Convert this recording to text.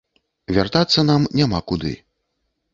Вяртацца нам няма куды.